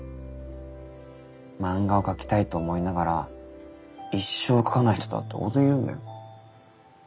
漫画を描きたいと思いながら一生描かない人だって大勢いるんだよ。